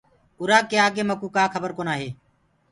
ارآ ڪي آگي مڪوُ ڪآ کبر ڪونآ هي۔